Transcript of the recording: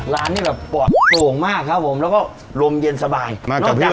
ร้านนี้แบบปลอดโกงมากครับผมแล้วก็รมเย็นสบายมากจากเพื่อน